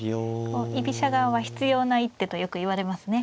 居飛車側は必要な一手とよくいわれますね。